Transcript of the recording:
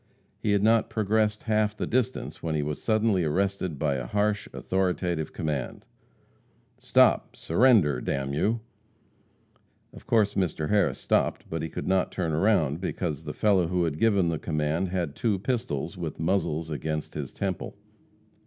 He had not progressed half the distance when he was suddenly arrested by a harsh, authoritative command: "Stop! Surrender, d n you!" Of course Mr. Harris stopped, but could not turn round, because the fellow who had given the command had two pistols, with muzzles against his temple.